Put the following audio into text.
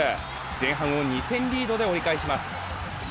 前半を２点リードで折り返します。